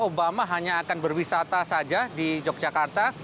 obama hanya akan berwisata saja di yogyakarta